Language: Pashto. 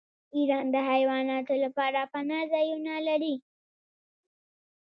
ایران د حیواناتو لپاره پناه ځایونه لري.